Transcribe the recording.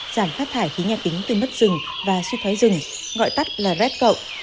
giảm phát thải khí nha tính từ mất rừng và su thói rừng gọi tắt là red cậu